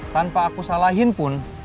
tanpa aku salahin pun